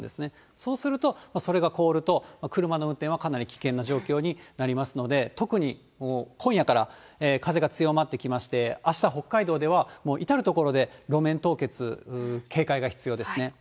そうすると、それが凍ると、車の運転はかなり危険な状況になりますので、特に、今夜から風が強まってきまして、あした、北海道ではもう至る所で路面凍結、警戒が必要ですね。